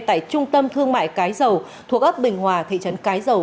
tại trung tâm thương mại cái dầu thuộc ấp bình hòa thị trấn cái dầu